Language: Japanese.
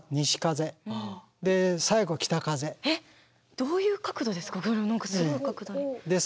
どういう角度ですか。